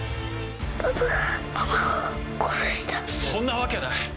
そんなわけはない。